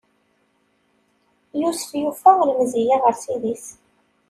Yusef yufa lemzeyya ɣer Ssid-is.